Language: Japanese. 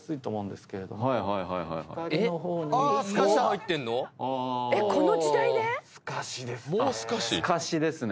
すかしですね。